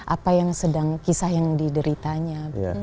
apa yang sedang kisah yang dideritanya